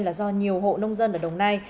là do nhiều hộ nông dân ở đồng nai